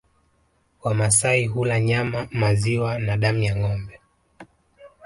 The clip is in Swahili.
Wamasai hula nyama maziwa na damu ya ngombe